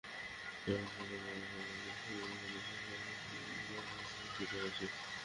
আনুষ্ঠানিক মহড়া সম্প্রতি শুরু হলেও নাটকের মূল কাজ আরও আগেই শুরু হয়েছে।